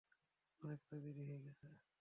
অনেকটা দেরি হয়ে গেছে!